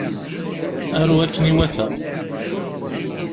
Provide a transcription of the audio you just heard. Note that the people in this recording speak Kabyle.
Aru akken iwata.